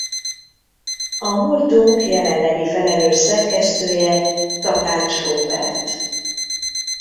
A Múltunk jelenlegi felelős szerkesztője Takács Róbert.